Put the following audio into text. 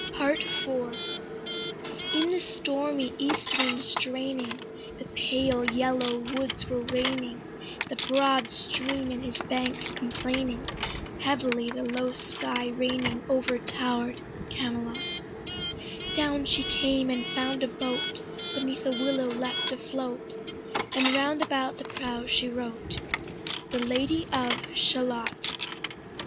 PART IV In the stormy east wind straining, The pale yellow woods were waning, The broad stream in his banks complaining, Heavily the low sky raining Over tower'd Camelot; Down she came and found a boat Beneath a willow left afloat, And round about the prow she wrote 'The Lady of Shalott.'